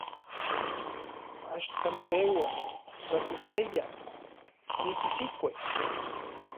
Axan seua, tlaseseya, nisisikue.